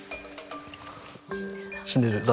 死んでるな。